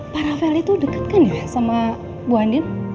pak rafael itu dekat kan ya sama bu andin